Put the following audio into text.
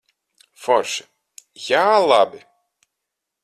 Forši. Jā, labi.